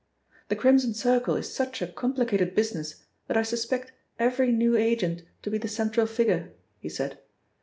"The Crimson Circle is such a complicated business that I suspect every new agent to be the central figure," he said.